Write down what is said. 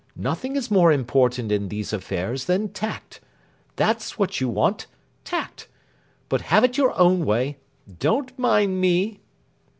Nothing is more important in these affairs than tact. That's what you want tact. But have it your own way. Don't mind _me!